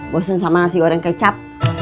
bosen sama nasi goreng kecap